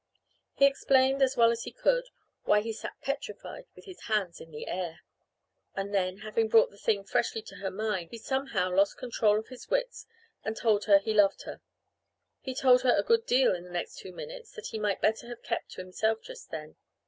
He explained as well as he could just why he sat petrified with his hands in the air. And then having brought the thing freshly to her mind, he somehow lost control of his wits and told her he loved her. He told her a good deal in the next two minutes that he might better have kept to himself just then.